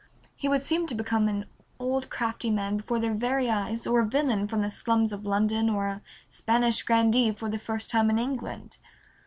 He would seem to become an old crafty man before their very eyes, or a villain from the slums of London, or a Spanish grandee for the first time in England.